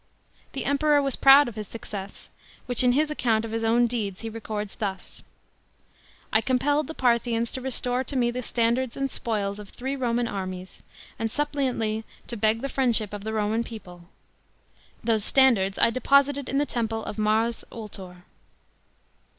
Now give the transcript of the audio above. The Emperor was proud of his success, which in his account of his ov\ n deeds he records thus :" I compelled the Parthians to restore to me the standards and spoils of three Roman armies, and suppliantly to beg the friendship of the Roman people. Those standards I deposited in the temple of Mars Ultor."